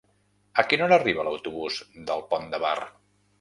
A quina hora arriba l'autobús del Pont de Bar?